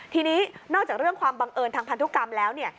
ทีนี้นอกจากเรื่องความบังเอิญทางพันธุกรรมแล้วเนี่ย